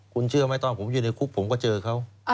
คุณเชื่อไหมตอนผมอยู่ในคุกผมก็เจอเขา